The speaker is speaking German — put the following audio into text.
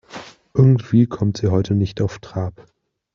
Irgendwie kommt sie heute nicht auf Trab.